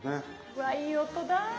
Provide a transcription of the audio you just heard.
うわいい音だ。